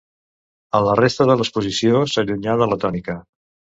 En la resta de l'exposició s'allunya de la tònica.